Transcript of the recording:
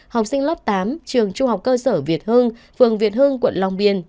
học sinh lớp tám trường trung học cơ sở việt hương phường việt hương quận long biên